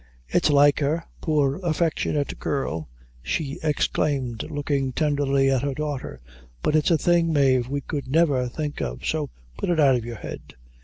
"It's like her, poor affectionate girl," she exclaimed, looking tenderly at her daughter; "but it's a thing, Mave, we could never think of; so put it out of your head."